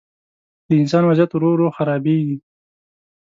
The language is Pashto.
د انسان وضعیت ورو، ورو خرابېږي.